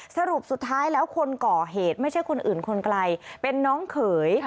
สรุปสุดท้ายแล้วคนก่อเหตุไม่ใช่คนอื่นคนไกลเป็นน้องเขย